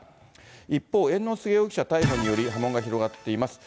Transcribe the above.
一方、猿之助容疑者逮捕により波紋が広がっています。